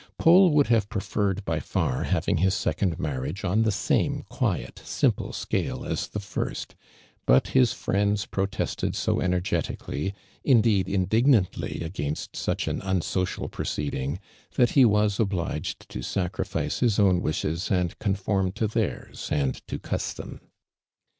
Paul would have jiroferii d liy fur having liis second marriage on the same <nii('t, simple scale as thelir ^i, but his friends pro tested so energetically, indoeil indignantly against such an unsocial proceeding, that h»f was obliged to sdcriKce his own wishes and conform to theirs an<l to custom.